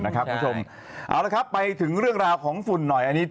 เอาแล้วครับไปถึงเรื่องราวของฝุ่นหน่อย